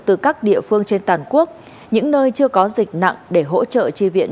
từ các địa phương trên toàn quốc những nơi chưa có dịch nặng để hỗ trợ chi viện